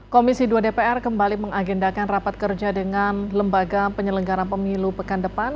komisi dua dpr kembali mengagendakan rapat kerja dengan lembaga penyelenggara pemilu pekan depan